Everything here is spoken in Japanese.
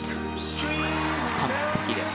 完璧です。